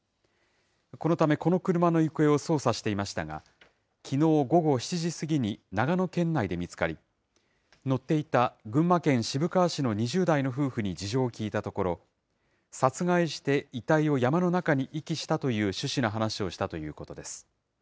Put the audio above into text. このためこの車の行方を捜査していましたが、きのう午後７時過ぎに長野県内で見つかり、乗っていた群馬県渋川市の２０代の夫婦に事情を聴いたところ、殺害して遺体を山の中に遺棄したという趣旨の話をしたということです。